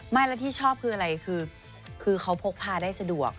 ไม่แล้วที่ชอบคืออะไรคือเขาพกพาได้สะดวก